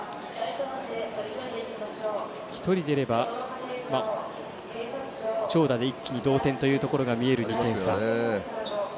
１人、出れば長打で一気に同点というところが見える場面。